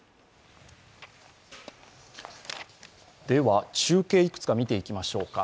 では中継、いくつか見ていきましょう。